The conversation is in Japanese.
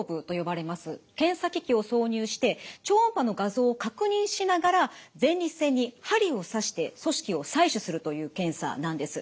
検査機器を挿入して超音波の画像を確認しながら前立腺に針を刺して組織を採取するという検査なんです。